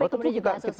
kemudian juga asosiasi